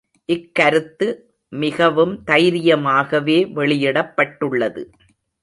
இக்கருத்து மிகவும் தைரியமாகவே வெளியிடப்பட்டுள்ளது.